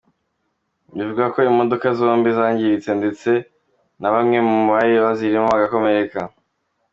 Bivugwa ko imodoka zombi zangiritse ndetse na bamwe mu bari bazirimo bagakomereka.